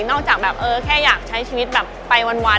จากแบบเออแค่อยากใช้ชีวิตแบบไปวัน